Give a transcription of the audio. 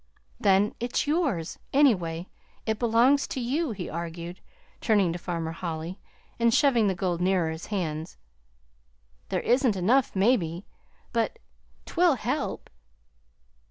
Then, it's yours, anyway it belongs to you," he argued, turning to Farmer Holly, and shoving the gold nearer to his hands. "There isn't enough, maybe but 't will help!"